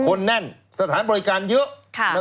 แน่นสถานบริการเยอะ